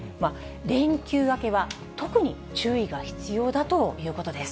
連休明けは特に注意が必要だということです。